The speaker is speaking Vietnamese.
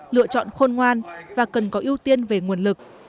lựa chọn khôn ngoan và cần có ưu tiên về nguồn lực